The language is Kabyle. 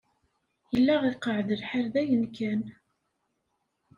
Yella iqeɛɛed lḥal dayen kan.